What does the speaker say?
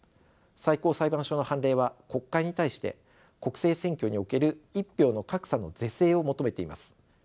最高裁判所の判例は国会に対して国政選挙における一票の格差の是正を求めています。